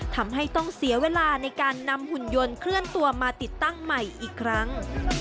ทำให้ต้องเสียเวลาในการนำหุ่นยนต์เคลื่อนตัวมาติดตั้งใหม่อีกครั้ง